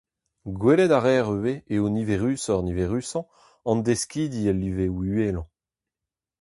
Gwelet a reer ivez eo niverusoc'h-niverusañ an deskidi el liveoù uhelañ.